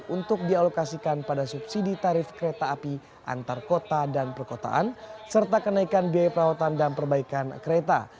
untuk dialokasikan pada subsidi tarif kereta api antar kota dan perkotaan serta kenaikan biaya perawatan dan perbaikan kereta